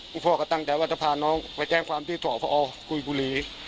คุณพ่อก็ตั้งใจว่าจะพาน้องไปแจ้งความที่ส่วนพ่อออกุลบุหรี่